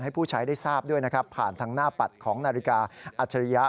ผู้ใช้ได้ทราบด้วยนะครับผ่านทางหน้าปัดของนาฬิกาอัจฉริยะ